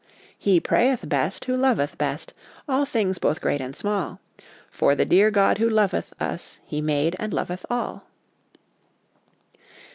" He prayeth best who loveth best All things both great and small ; For the dear God who loveth us, He made and loveth all."